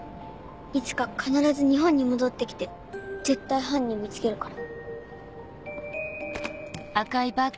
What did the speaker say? いつか必ず日本に戻ってきて絶対犯人見つけるから。